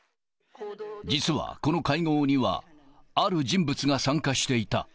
実はこの会合には、ある人物が参加していた。